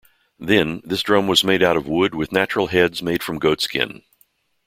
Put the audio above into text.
Then, this drum was made out of wood with natural heads made from goatskin.